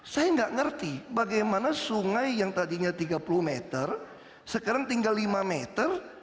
saya nggak ngerti bagaimana sungai yang tadinya tiga puluh meter sekarang tinggal lima meter